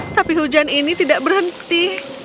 tapi hujan ini tidak berhenti